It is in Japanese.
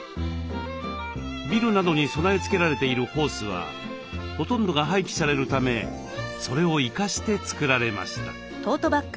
ビルなどに備え付けられているホースはほとんどが廃棄されるためそれを生かして作られました。